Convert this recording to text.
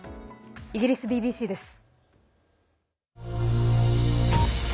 イギリスＢＢＣです。